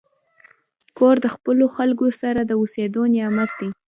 کور د خپلو خلکو سره د اوسېدو نعمت دی.